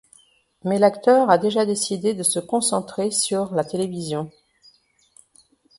Mais l'acteur a déjà décidé de se concentrer sur la télévision.